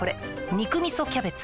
「肉みそキャベツ」